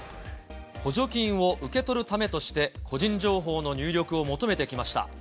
補助金を受け取るためとして、個人情報の入力を求めてきました。